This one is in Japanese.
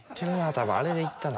多分あれでいったな。